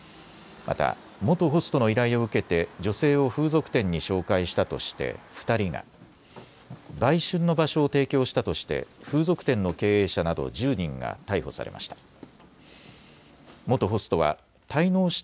また元ホストの依頼を受けて女性を風俗店に紹介したとして２人が、売春の場所を提供したとして風俗店の経営者など１０人が逮捕されました。